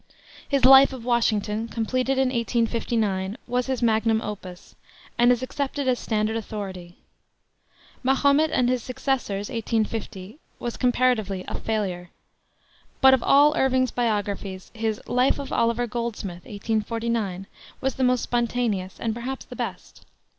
His Life of Washington completed in 1859 was his magnum opus, and is accepted as standard authority. Mahomet and His Successors, 1850, was comparatively a failure. But of all Irving's biographies, his Life of Oliver Goldsmith, 1849, was the most spontaneous and perhaps the best.